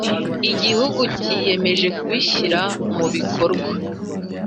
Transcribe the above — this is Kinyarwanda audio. Igihugu kiyemeje kubishyira mu bikorwa